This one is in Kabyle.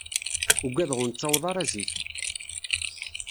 Ugadeɣ ur nettaweḍ ara zik.